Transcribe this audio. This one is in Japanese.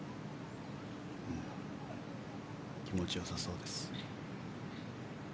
気持ちよさそうです。